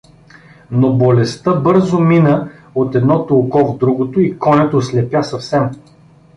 Но болестта бързо мина от едното око в другото и конят ослепя съвсем.